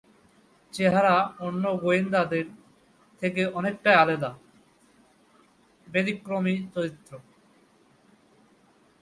চেহারা অন্য গোয়েন্দাদের থেকে অনেকটাই আলাদা, ব্যতিক্রমী চরিত্র।